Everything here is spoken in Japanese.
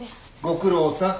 ご苦労さん。